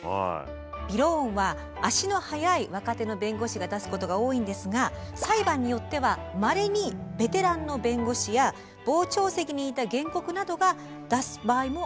びろーんは足の速い若手の弁護士が出すことが多いんですが裁判によってはまれにベテランの弁護士や傍聴席にいた原告などが出す場合もあるということです。